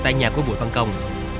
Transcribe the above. tại nhà của bùi văn công